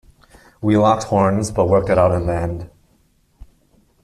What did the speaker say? We locked horns but worked it out in the end.